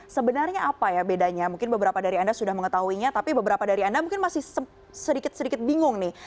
sebenarnya apa ya bedanya mungkin beberapa dari anda sudah mengetahuinya tapi beberapa dari anda mungkin masih sedikit sedikit bingung nih